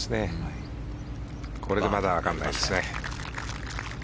これでまだわからないですね。